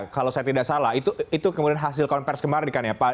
kalau saya tidak salah itu kemudian hasil konversi kemarin kan ya pak